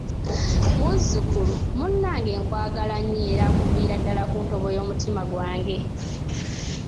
Muzzukulu, munnange nkwagala nnyo era kuviira ddala ku ntobo y'omutima gwange.